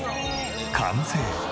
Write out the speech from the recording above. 完成。